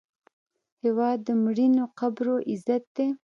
هېواد د میړنیو قبرو عزت دی.